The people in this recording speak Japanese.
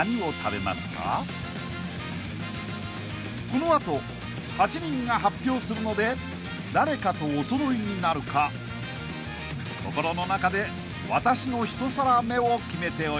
［この後８人が発表するので誰かとおそろいになるか心の中で私の１皿目を決めておいてください］